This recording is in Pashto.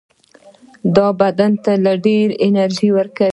دا بدن ته ډېره انرژي ورکوي.